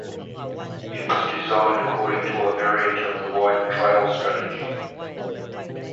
It is designed according to a variant of the wide-trail strategy.